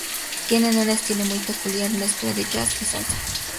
Tienen un estilo muy peculiar, mezcla de jazz y salsa.